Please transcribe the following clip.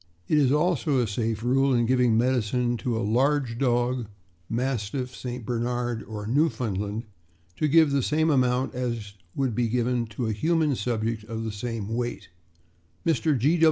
It is also a safe rule in giving medicine to a large dog, Mastiff, St. Bernard, or Newfoundland, to give the same amount as would be given to a human subject of the same weight. Mr.